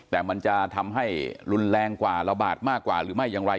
แต่มันจะทำให้รุนแรงกว่าระบาดมากกว่าหรือไม่อย่างไร